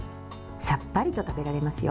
さっぱりと食べられますよ。